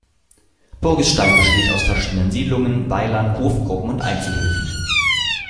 Burgistein besteht aus verschiedenen Siedlungen, Weilern, Hofgruppen und Einzelhöfen.